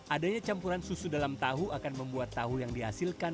adanya campuran susu dalam tahu akan membuat tahu yang dihasilkan